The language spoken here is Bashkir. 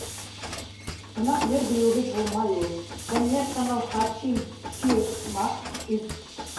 Ҡунаҡ йыр-бейеүһеҙ булмай ул. Хәнйәр танау Хачим Пшимах - өс.